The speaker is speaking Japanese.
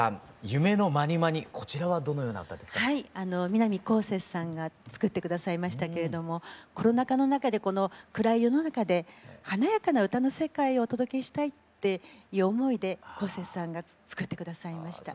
南こうせつさんが作ってくださいましたけれどもコロナ禍の中でこの暗い世の中で華やかな歌の世界をお届けしたいっていう思いでこうせつさんが作ってくださいました。